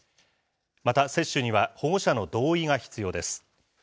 また接種には、保護者の同意が必要です。